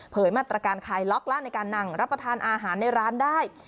มาตรการคลายล็อกร้านในการนั่งรับประทานอาหารในร้านได้